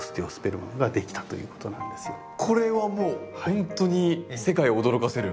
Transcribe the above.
これはもうほんとに世界を驚かせる？